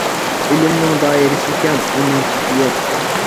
ئىلىمنىڭ دائىرىسى كەڭ، ئۇنىڭ چېكى يوق.